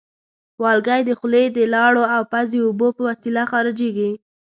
والګی د خولې د لاړو او پزې اوبو په وسیله خارجېږي.